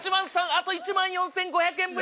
あと１万４５００円分いけます。